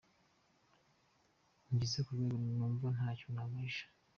Ngeze ku rwego numva ntacyo naguhisha.